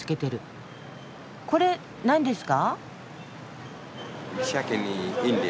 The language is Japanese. これ何ですか？